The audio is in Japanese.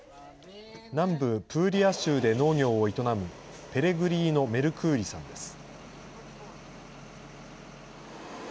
南部プーリア州で農業を営む、ペレグリーノ・メルクーリさんです。